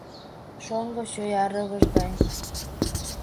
Шоҥго чоя, рывыж гай